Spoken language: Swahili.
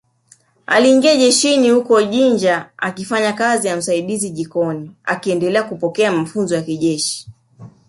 Aliingia jeshini huko Jinja akifanya kazi ya msaidizi jikoni akiendelea kupokea mafunzo ya kijeshi